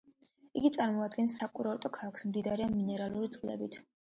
იგი წარმოადგენს საკურორტო ქალაქს, მდიდარია მინერალური წყლებით.